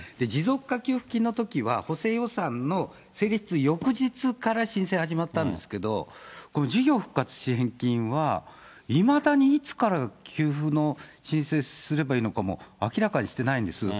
持続化給付金のときは補正予算の成立翌日から申請始まったんですけど、この事業復活支援金は、いまだにいつから給付の申請すればいいのかも明らかにしてないんです。